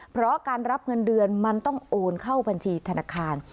เพราะการรับเงินเดือนมันต้องโอนเข้าบัญชีธนาคาร